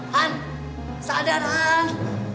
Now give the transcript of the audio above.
han sadar han